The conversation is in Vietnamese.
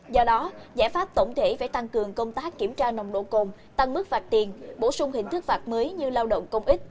do đó giải pháp tổng thể phải tăng cường công tác kiểm tra nồng độ cồn